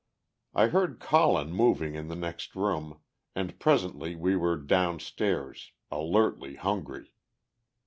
I heard Colin moving in the next room, and presently we were down stairs, alertly hungry.